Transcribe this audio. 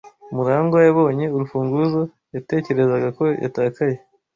Murangwa yabonye urufunguzo yatekerezaga ko yatakaye.